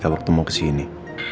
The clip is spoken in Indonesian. waktu mau kesini